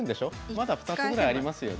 まだ２つぐらいありますよね？